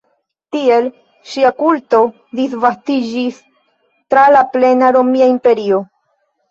Tiel ŝia kulto disvastiĝis tra la plena Romia imperio.